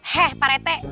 heh pak rt